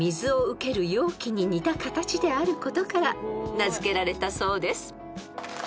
［名付けられたそうです］